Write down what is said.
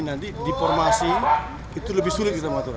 nanti di formasi itu lebih sulit kita mengatur